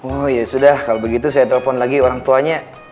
oh ya sudah kalau begitu saya telepon lagi orang tuanya